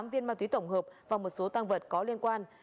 tám viên ma túy tổng hợp và một số tăng vật có liên quan